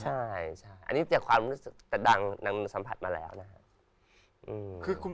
ใช่อันนี้จากความรู้สึกดัดดังนางนั่งสัมผัสมาแล้วนะฮะ